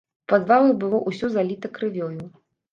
У падвалах было ўсё заліта крывёю.